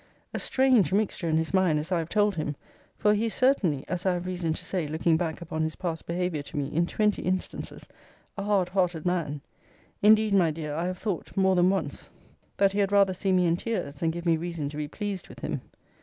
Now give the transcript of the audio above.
A strange mixture in his mind, as I have told him! for he is certainly (as I have reason to say, looking back upon his past behaviour to me in twenty instances) a hard hearted man. Indeed, my dear, I have thought more than once, that he had rather see me in tears than give me reason to be pleased with him.